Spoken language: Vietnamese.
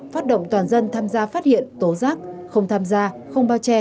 phát động toàn dân tham gia phát hiện tố giác không tham gia không bao che